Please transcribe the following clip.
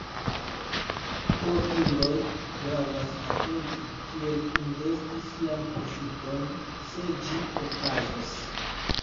Por Hundoj gravas atenti, kiel investi sian profiton, se ĝi okazos.